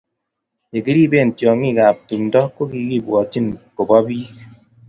ye kiriben tiangik ab tumdo ko chikikibwatchin kobo bik